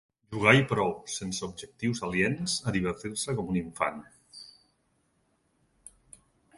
Jugar i prou, sense objectius aliens a divertir-se com un infant.